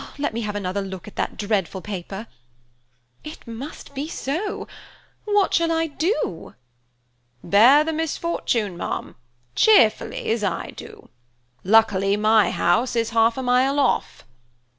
Let me have another look at that dreadful paper! It must be so. What shall I do?" "Bear the misfortune, ma'am–cheerfully as I do. Luckily my house is half a mile off."